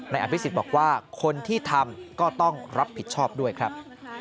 อภิษฎบอกว่าคนที่ทำก็ต้องรับผิดชอบด้วยครับ